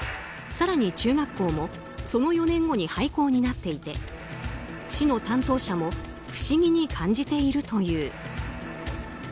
更に中学校もその４年後に廃校になっていて市の担当者も不思議に感じているという。